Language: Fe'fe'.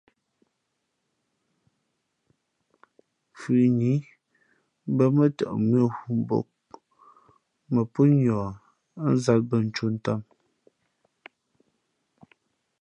Fʉnǐ mbᾱ mά tαʼ mʉ̄ᾱ hʉ́ mbōk mα pó niα ά nzāt bᾱ ncō ntām.